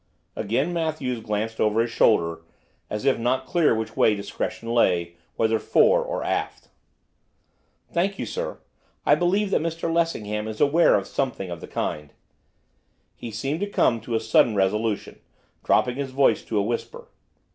Again Matthews glanced over his shoulder, as if not clear which way discretion lay, whether fore or aft. 'Thank you, sir. I believe that Mr Lessingham is aware of something of the kind.' He seemed to come to a sudden resolution, dropping his voice to a whisper.